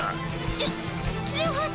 じゅ１８。